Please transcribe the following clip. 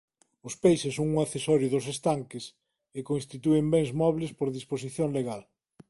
Os peixes son un accesorio dos estanques e constitúen bens mobles por disposición legal.